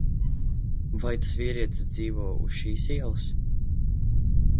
Vai tas vīrietis dzīvo uz šīs ielas?